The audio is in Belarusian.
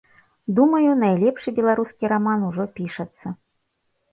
Думаю, найлепшы беларускі раман ужо пішацца.